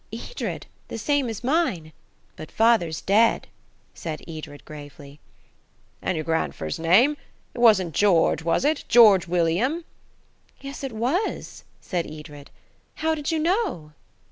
"Edred, the same as mine. But father's dead," said Edred gravely. "And your grandf'er's name? It wasn't George, was it–George William?" "Yes, it was," said Edred. "How did you know?"